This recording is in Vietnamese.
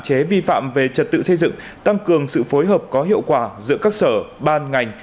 hạn chế vi phạm về trật tự xây dựng tăng cường sự phối hợp có hiệu quả giữa các sở ban ngành